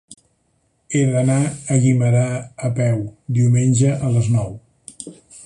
He d'anar a Guimerà a peu diumenge a les nou.